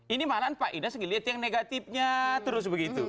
ini malahan pak inas melihat yang negatifnya terus begitu